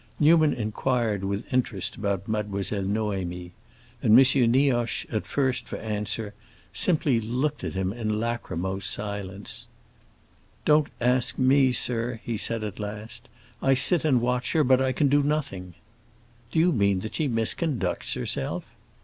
Newman inquired with interest about Mademoiselle Noémie; and M. Nioche, at first, for answer, simply looked at him in lachrymose silence. "Don't ask me, sir," he said at last. "I sit and watch her, but I can do nothing." "Do you mean that she misconducts herself?"